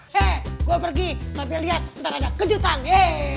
he gue pergi nanti liat ntar ada kejutan yeee